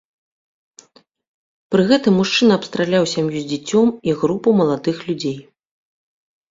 Пры гэтым мужчына абстраляў сям'ю з дзіцем і групу маладых людзей.